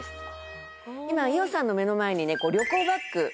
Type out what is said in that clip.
今伊代さんの目の前にね旅行バッグ。